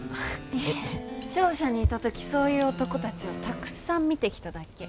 商社にいた時そういう男たちをたくさん見てきただけ。